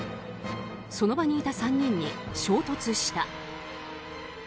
その場にいた３人に衝突した。